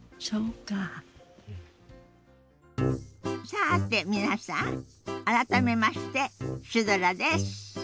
さて皆さん改めましてシュドラです。